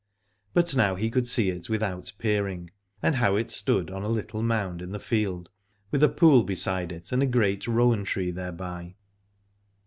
But now he could see it without peer ing, and how it stood on a little mound in the field, with a pool beside it and a great rowan tree thereby.